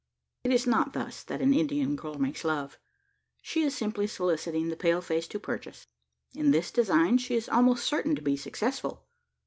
It is not thus that an Indian girl makes love. She is simply soliciting the pale face to purchase. In this design she is almost certain to be successful.